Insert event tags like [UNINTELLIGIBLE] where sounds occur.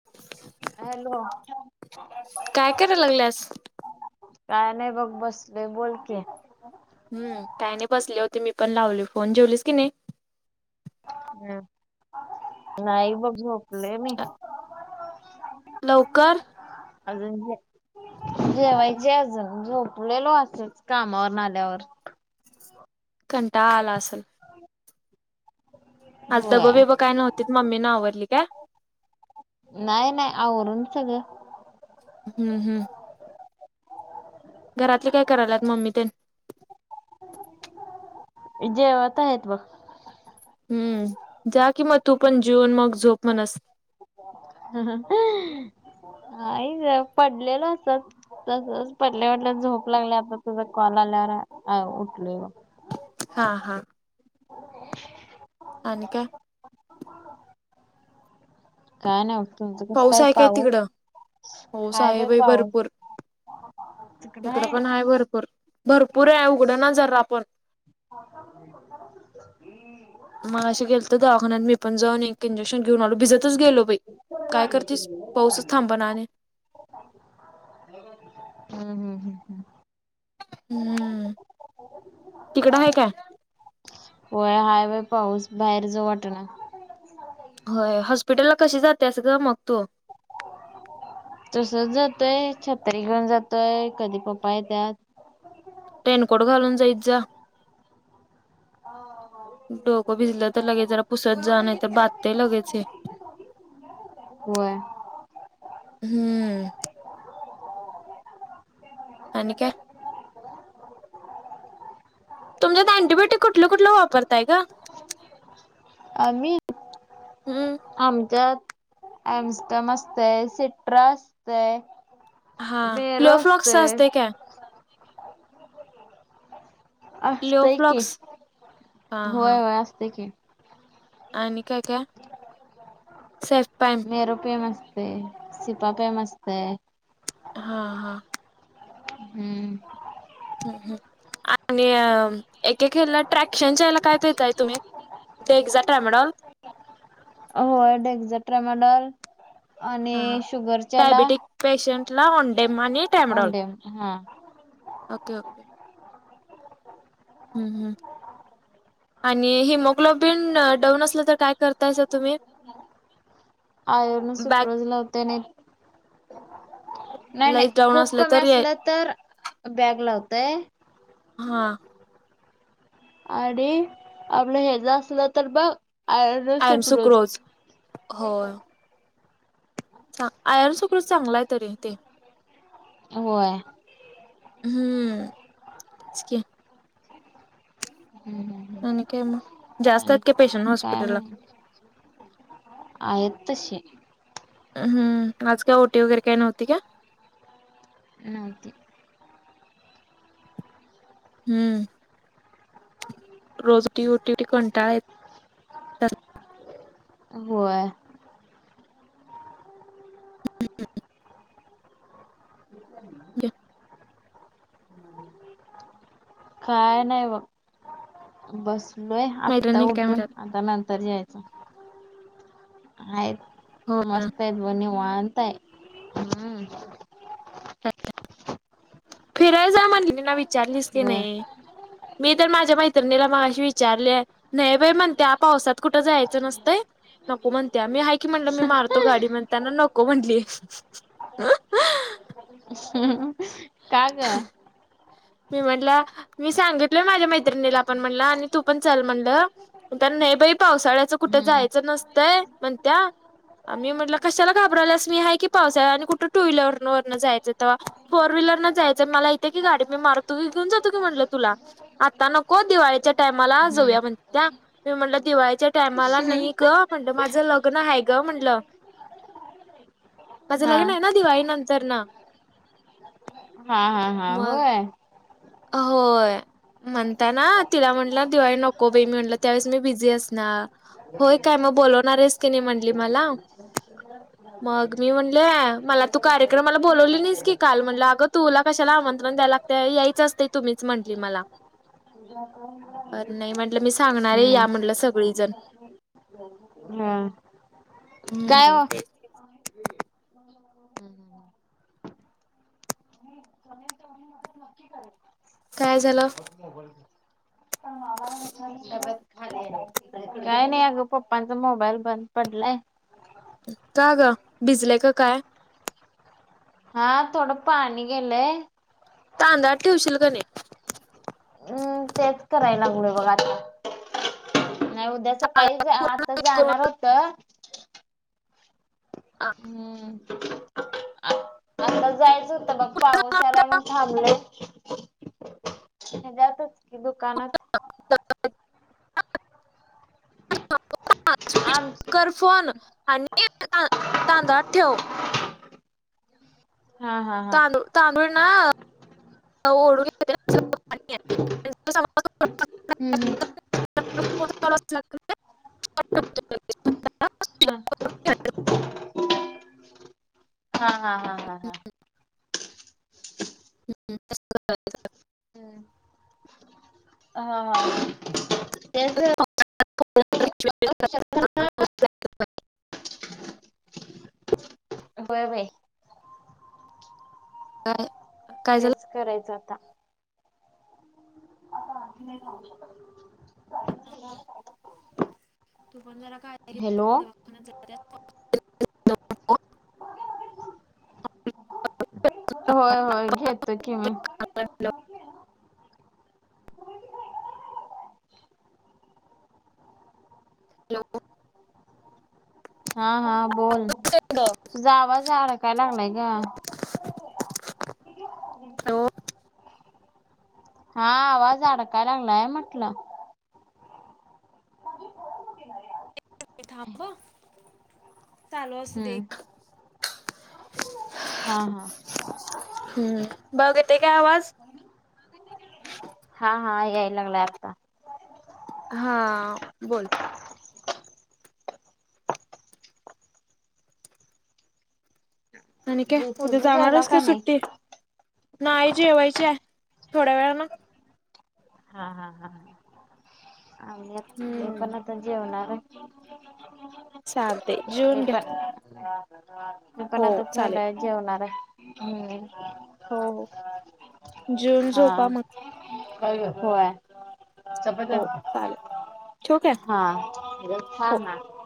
[UNINTELLIGIBLE] Hello काय करायला लागल्यास काय नाही बघ बसले बोलक हम् काही नाही बसले होती मी पण लावली फोन जेवलेस की नाही हम् नाहीय बबू लले म लवकर अजंज जेवायचे अजून झोपलेलो असेच कामावर ना आल्यावर कंटा आला असल आज दबं होय बिबं काय नव्हतीत मम्मी ना आवरली काय नाही नाही आवरून सगळं हम्म हम् घरातले काय करायलात मम्मी ते जे आता आहेत बघ हम्म जा कि मग तू पण जीऊन मग झोप मण अस आ पडलेल असत तसच पटल्या वटल्यात झोप लागले आता तुझा कॉल आल्यावर उठलोय हा हा अन का काय नाही बघ. तुमचं कसं पाऊस आहे काय तिकडं पाऊस हाय आहे बाई पाऊस भरपूर इकड पण आहे भरपूर भरपूर आहे उघड ना जर आपण हो मग असे गेल तर दघणार मीणऊन एक इंजेक्शन घेऊन आलो भिजतच गेलो काय करतेस पाऊसच थांब ना आणि हम्म हम्म हम्म हम्म हम्म तिकडं आहे काय वय हायवे पाऊस बाहेर ज वाट ना होय हॉस्पिटल ला कशी जाते असं ग मग तू तसच जातोय छतरी घेऊन जातोय कधी पप्पा आहे त्यात टेनकोट घालून जाईत जा डोको भिजला तर लगेच जरा पुसत जा नाही तर बधतय लगेच हे कवा हम्म आणि का तुमच्यात अँटीबायोटिक कुठलं कुठलं वापरताय का आम्ही हम्म आमच्या अमस्टडम असतय सिट्रा असतय हा म र लिओफ्लॉक्स असते असतय काय असतय क लिओफ्लॉक्स हा हा होय होय असत क आणि काय का सफपा मेरूपे मस्ते सिपा पे मस्त हा हा हम्म हम् हम् आणि एके खला ट्रॅक्शनच्या याला काय दताय तुम्ही ते एकदाा टर्मिनॉल हो एक्झट्र मडल [UNINTELLIGIBLE] हा डयाबेटिक पेशंट ला ऑंडेम आणि टॅमडॉल ओंडेम हा ओके! ओके! हम हम, आणि हिमोग्लोबिन डऊन असलं तर काय कर आयन बॅक सुप्रज लावते नाही, नाही नाही, लाईट डाऊन खूप कमी तर असलं तर बॅग लावतय. हा! आणि आपलं हज असलं तर बघ आयर्न आय एम सुफरोज सुक्रोज होय. आयरन सुक्रोज चांगलाय तरी ते, होय. हम्म, तेचकी हम्.... आणि काय मग, जास्त आहेत का पेशंट काय हॉस्पिटला. म्ह आहेत तशे. हम्, आज का ओटी वगैरे काही नव्हती का? नव्हती. हम्म! रोज ती ओटी कंटाळ येतो होय. हम्.. [UNINTELLIGIBLE] काय नाही ब बस लोय माहित आत्ता नाही काय उठून, म्हणतात आता नंतर यायचं आहेत हो मस्त आहेत, बघ निवांत आहेत हम्... फिरायला जा म्हण ना विचारलीस की होय नाही? मी तर माझ्या मैत्रिणीला मगाशी विचारले नाही बाई म्हणत पावसात. कुठं जायच नसतय. नको म्हणते मी आहे की, म्हणलं मी मारतो गाडी म्हण त्यांना नको म्हणली. काग! मी म्हटलं मी सांगितलय माझ्या मैत्रिणीला पण म्हणलं आणि तू पण चाल म्हणलं. तर नाही बाई! पावसाळ्याचं कुठे हम्म जायचं नसतंय म्हणत्या. मी म्हटलं कशाला घाबरायलास मी आहे की पावसा आणि कुठं टू व्हीलर वरन जायचं तेव्हा, फोर व्हीलररन जायचंय मला येते की गाडी. मी मारतो की घेऊन जातो की म्हटलं तुला आता नको दिवाळीच्या टामाला हम्म जाऊया म्हण त्या म म्हणलं दिवाळीच्या टायमाला नाही ग. म्हणलं माझं लग्न हाय ग! म्हटलं माझं हा लग्न आहे ना दिवाळी नंत तरन. हा हा हा होय. अ होय. म्हणता ना तिला म्हटलं दिवाळी नको बे मी म्हटलं त्यावेळेस मी बिझी असणार. होय काय मग बोलवणार आहेस की नाही म्हटली मला ह ह. [UNINTELLIGIBLE] मग मी म्हणले मला तू कार्यक्रम मला बलावली नाहीस की काल म्हटलं अगं तुला कशाला आमंत्र द्याला ला तर यायच असते तुम्हीच म्हटली मला. तर नाही म्हटलं मी सांगणार आहे या हम्म. म्हटलं सगळीजण हम काय हम्म. ओ! [UNINTELLIGIBLE] हम्म हम्. [UNINTELLIGIBLE] काय झालं. [UNINTELLIGIBLE] काय नाही अगं पप्पांचा मोबाईल बंद पडलाय. का ग भिजलंय का काय? हा थोडं पाणी गेलंय. तांदळ ठेवशील क नाही. हम्म तेच करायला पुढ बघ आता नाही उद्या सकाळी तांदळात पूर्ण आता हे करून जाणार होत. ह. हम्म. आता जायचं होतं बघ पाऊस यालाय मण थांबलंय. हे जाातो क दुकानत [UNINTELLIGIBLE] स् आम कर फोन आणि ददा ठेव. हा हा हा. तांदूळ तांदूळ ना ओढून घ. हम् हम्. [UNINTELLIGIBLE] हम्म. [UNINTELLIGIBLE] हा हा हा हा हा. हम्म. हा ह तेच अकना बय बाय. का? तेच करायचं आता आता आणी नाही सां तू पण जरा कायवाख होय होय घेतो कि ममी आपल. हॅलो. हा हा बोल तुझा आवाजला काय लागलाय का हॅलो हम् हा आवाज अडकायला लागलाय म्हटलं माझे फोटठणार या थांबा चालू असं दे हम्म हा हा हम्म बाऊ केते काय आवाज हा हा हे येईलंगला आता हा बोल आणि काय जे उद्या तुम्ही जेवला जाणारच का नाही सुट्टी नाही जेवायचे आहे थोड्या वेळा ना हा हा ह आही मी हम्म पण आता जेवणार चालते जेऊन घ्या हो पपणा चालेल तुथडा जेवणार आहे हम्म हो जेन झोपा मग अ होवाय हो चालेल ठोक आहे हा हा हा